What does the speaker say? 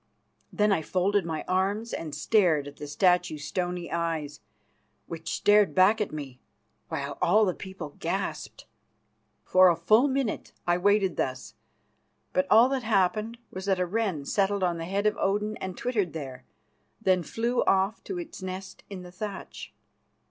Then I folded my arms and stared at the statue's stony eyes, which stared back at me, while all the people gasped. For a full minute I waited thus, but all that happened was that a wren settled on the head of Odin and twittered there, then flew off to its nest in the thatch.